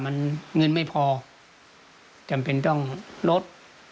มันเงินไม่พอจำเป็นต้องลด